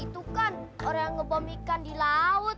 itu kan orang yang ngebom ikan di laut